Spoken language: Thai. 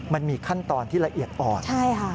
มันมีขั้นตอนที่ละเอียดอ่อนใช่ค่ะ